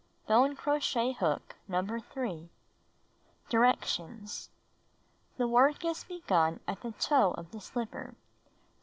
Bone crochet hook No. 3. Directions : The work is be gun at the toe of the sHpper.